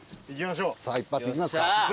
さあ一発いきますか。